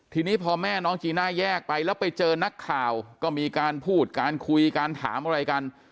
ทีนี้พอแม่น้องจีน่าแยกไปแล้วไปเจอนักข่าวก็มีการพูดการคุยการถามอะไรกัน